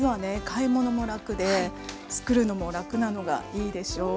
買い物も楽で作るのも楽なのがいいでしょう？